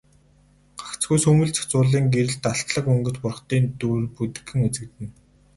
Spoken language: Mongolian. Гагцхүү сүүмэлзэх зулын гэрэлд алтлаг өнгөт бурхдын дүр бүдэгхэн үзэгдэнэ.